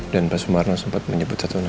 dan pak sumarno sempat menyebut satu nama